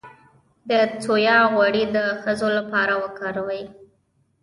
د سویا غوړي د ښځو لپاره وکاروئ